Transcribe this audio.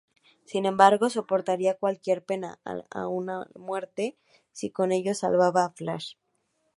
Sin embargo, soportaría cualquier pena —aun la muerte— si con ello salvaba a Flash.